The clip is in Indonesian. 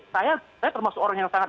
saya saya termasuk orang yang sangat